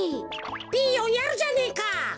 ピーヨンやるじゃねえか。